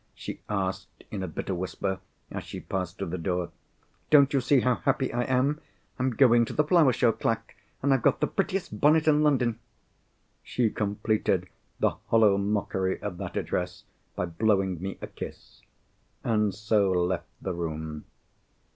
she asked in a bitter whisper, as she passed to the door. "Don't you see how happy I am? I'm going to the flower show, Clack; and I've got the prettiest bonnet in London." She completed the hollow mockery of that address by blowing me a kiss—and so left the room.